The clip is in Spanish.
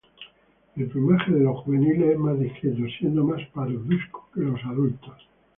El plumaje de los juveniles es más discreto, siendo más parduzcos que los adultos.